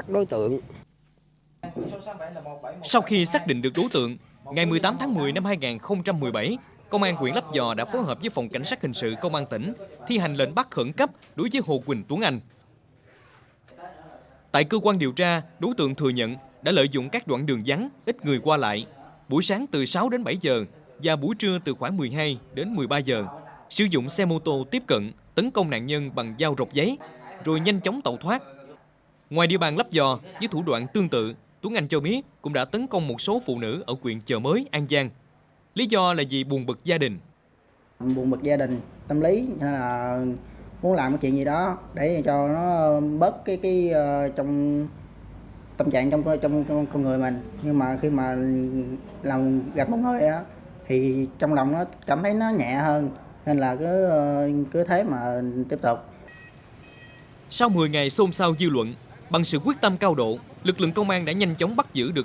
lực lượng công an đã nhanh chóng bắt giữ được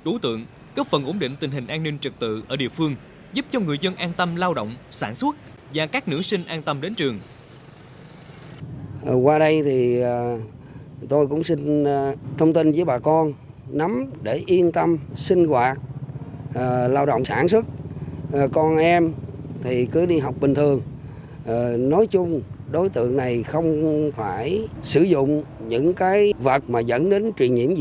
đối tượng cấp phần ổn định tình hình an ninh trực tự ở địa phương giúp cho người dân an tâm lao động sản xuất và các nữ sinh an tâm đến trường